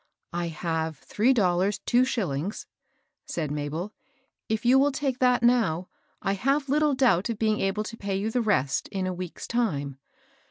^ "I have three dollars, two shillings," said Ma bel. " If you will take that now, I have little doubt of being able to pay you the rest in a week's time."